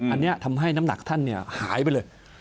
อันนี้ทำให้น้ำหนักท่านหายไปเลย